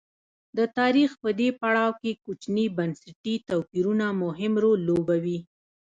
د تاریخ په دې پړاو کې کوچني بنسټي توپیرونه مهم رول لوبوي.